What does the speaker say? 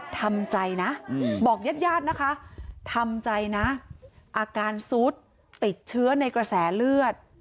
ทำใจนะบอกญาติญาตินะคะทำใจนะอาการซุดติดเชื้อในกระแสเลือด